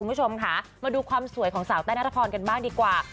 คุณผู้ชมค่ะมาดูความสวยของสาวแต้นารพรกันบ้างดีกว่า